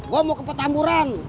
gue mau ke petamburan